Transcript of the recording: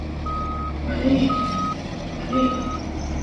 มานี่ มานี่